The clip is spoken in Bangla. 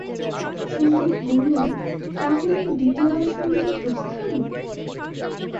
সন্দীপ বললে, তা হলে দ্বিতীয়বার সন্দীপের প্রস্থান?